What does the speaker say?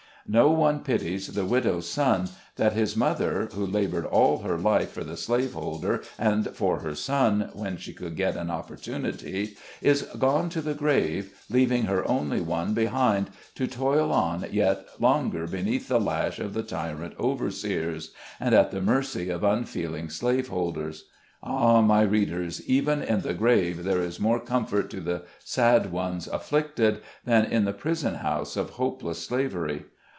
No one pities the widow's son, that his mother (who labored all her life for the slave holder, and for her son, when she could get an opportunity) is gone to the grave, leaving her only one behind, to toil on yet longer beneath the lash of tyrant overseers, and at the mercy of unfeeling slave holders. Ah, my readers ! even in the grave CUSTOMS OF THE SLAVES. 183 there is more comfort to the sad ones afflicted, than in the prison house of hopeless slavery.